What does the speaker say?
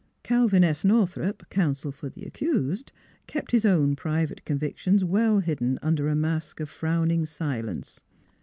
Calvin S. Northrup, counsel for the accused, kept his own private convictions well hidden under NEIGHBORS 339 a mask of frowning silence.